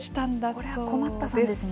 こりゃ困ったさんですね。